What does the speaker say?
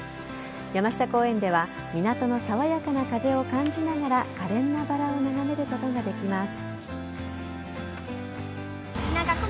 山下公園では港の爽やかな風を感じながら可憐なバラを眺めることができます。